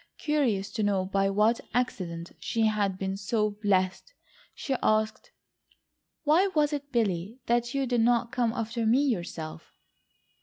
Curious to know by what accident she had been so blessed, she asked: "Why was it, Billy, that you did not come after me yourself?"